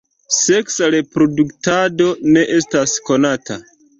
Seksa reproduktado ne estas konata.